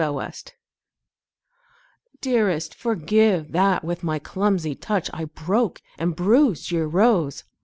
Stupidity Dearest, forgive that with my clumsy touch I broke and bruised your rose.